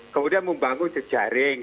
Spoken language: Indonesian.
kemudian membangun jejaring